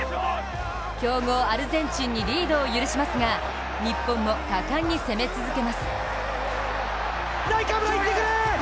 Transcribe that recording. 強豪アルゼンチンにリードを許しますが日本も果敢に攻め続けます。